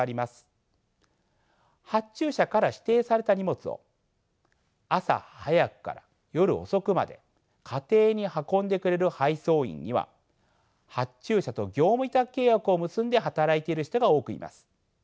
発注者から指定された荷物を朝早くから夜遅くまで家庭に運んでくれる配送員には発注者と業務委託契約を結んで働いている人が多くいます。